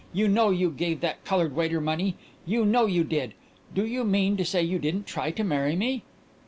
You know you gave that colored waiter money! You know you did! Do you mean to say you didn't try to marry me?"